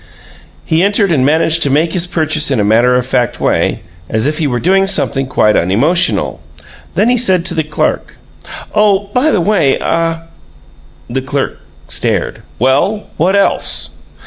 He entered and managed to make his purchase in a matter of fact way, as if he were doing something quite unemotional; then he said to the clerk: "Oh, by the by ah " The clerk stared. "Well, what else?"